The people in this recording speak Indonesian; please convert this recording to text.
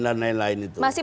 masih percaya nggak